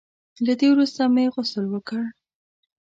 له دې وروسته مې غسل وکړ.